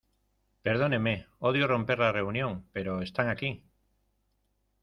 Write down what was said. Perdóneme. Odio romper la reunión, pero ¡ están aquí!